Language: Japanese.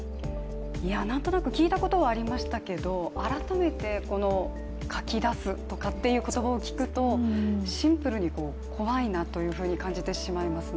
いや、なんとなく聞いたことはありましたけど改めてこのかき出すとかっていう言葉を聞くとシンプルに怖いなというふうに感じてしまいますね。